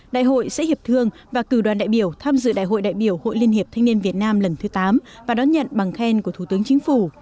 đại hội sẽ hiệp thương và cử đoàn đại biểu tham dự đại hội đại biểu hội liên hiệp thanh niên việt nam lần thứ tám và đón nhận bằng khen của thủ tướng chính phủ